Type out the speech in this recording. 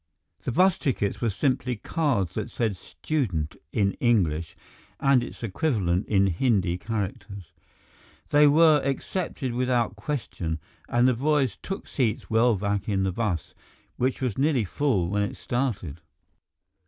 The bus tickets were simply cards that said Student in English and its equivalent in Hindi characters. They were accepted without question, and the boys took seats well back in the bus, which was nearly full when it started.